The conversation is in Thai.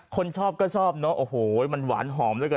คนชอบก็ชอบเนอะโอ้โหมันหวานหอมเหลือเกิน